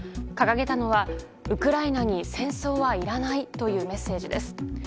掲げたのはウクライナに戦争はいらないというメッセージです。